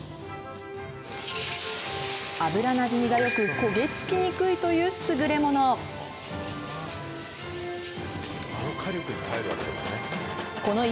油なじみがよく、焦げ付きにくいという優れもの。